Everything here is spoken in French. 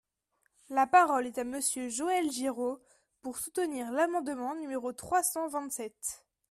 La parole est à Monsieur Joël Giraud, pour soutenir l’amendement numéro trois cent vingt-sept.